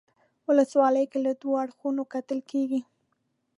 ولسواکي له دوو اړخونو کتل کیږي.